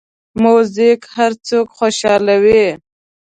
موزیک هر څوک خوشحالوي.